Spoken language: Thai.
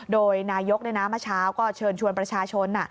โดยนายกเมื่อเช้าก็เชิญชวนประชาชน